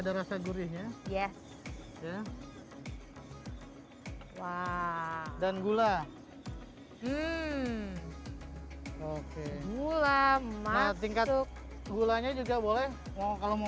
ada rasa guruhnya yes dan gula gula jab manual tingkatnya juga boleh mau kalau mau